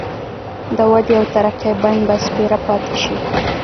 د ودې او ترقۍ بڼ به سپېره پاتي شي.